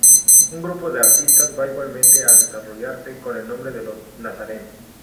Un grupo de artistas va igualmente a desarrollarse, con el nombre de los nazarenos.